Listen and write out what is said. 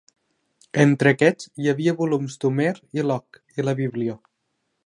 Entre aquests hi havia volums d'Homer i Locke i la Bíblia.